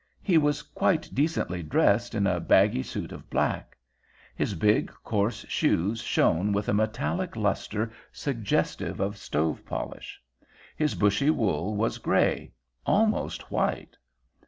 He was quite decently dressed in a baggy suit of black. His big, coarse shoes shone with a metallic luster suggestive of stove polish. His bushy wool was gray—almost white.